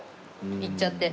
いっちゃって。